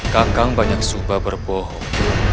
kakang banyak subah berbohong